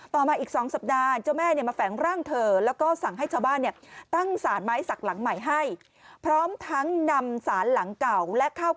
ต่อมาอีก๒สัปดาห์เจ้าแม่มาแฝงร่างเถอะ